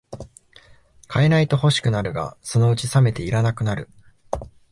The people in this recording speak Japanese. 買えないと欲しくなるが、そのうちさめていらなくなる